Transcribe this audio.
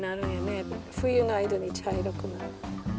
冬の間に茶色くなって。